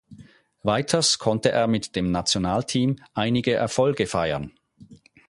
Weiters konnte er mit dem Nationalteam einige Erfolge feiern.